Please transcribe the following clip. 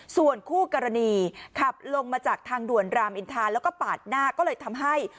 ส่วนคู่กรณีขับลงมาจากทางด่วนรามอินทาแล้วก็ปาดหน้าก็เลยทำให้